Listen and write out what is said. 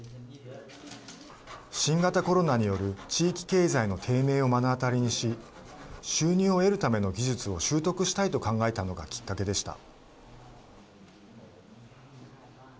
新型コロナによる地域経済の低迷を目の当たりにし収入を得るための技術を習得したいと考えたのがきっかけでした。